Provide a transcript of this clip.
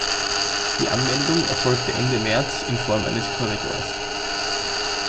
Die Anmeldung erfolgte Ende März in Form eines Korridors.